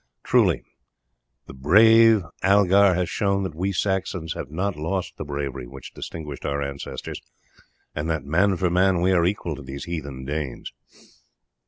Truly the brave Algar has shown that we Saxons have not lost the bravery which distinguished our ancestors, and that, man for man, we are equal to these heathen Danes."